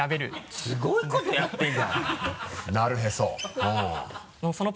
すごいことやってるじゃない。